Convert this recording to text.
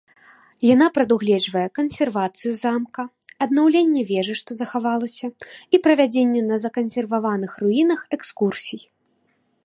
Яна прадугледжвае кансервацыю замка, аднаўленне вежы, што захавалася, і правядзенне на закансерваваных руінах экскурсій.